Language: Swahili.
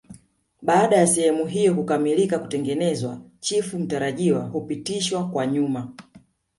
Baada ya sehemu hiyo kukamilika kutengenezwa chifu mtarajiwa hupitishwa kwa nyuma